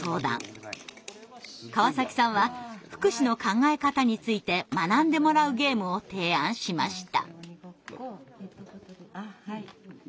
川崎さんは福祉の考え方について学んでもらうゲームを提案しました。